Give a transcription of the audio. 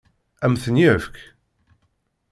Ad m-ten-yefk?